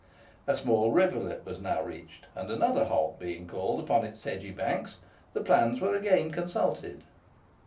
A small rivulet was now reached, and another halt being called upon its sedgy banks, the plans were again consulted.